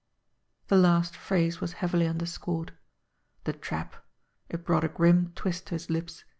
The last phrase was heavily underscored. The trap! It brought a grim twist to his lips.